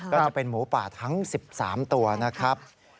ก็จะเป็นหมูป่าทั้ง๑๓ตัวนะครับ